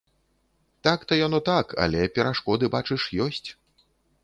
Так то яно так, але перашкоды, бачыш, ёсць.